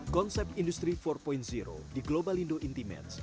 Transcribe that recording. konsep industri empat di global indo intimates